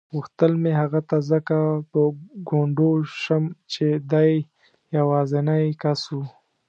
غوښتل مې هغه ته ځکه په ګونډو شم چې دی یوازینی کس و.